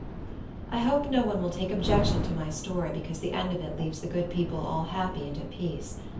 I hope no one will take objection to my story because the end of it leaves the good people all happy and at peace.